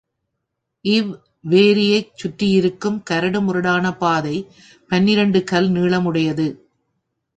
இவ் வேரியைச் சுற்றியிருக்கும் கரடுமுரடான பாதை பனிரண்டு கல் நீளமுடையது.